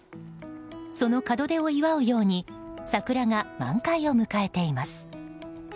その門出を祝うように桜が満開を迎えています。